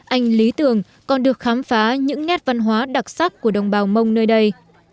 anh lý tường còn được khám phá những nét văn hóa đặc sắc của đồng bào mông nơi đây